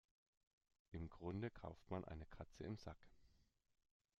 Im Grunde kauft man eine Katze im Sack.